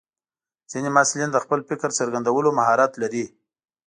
ځینې محصلین د خپل فکر څرګندولو مهارت لري.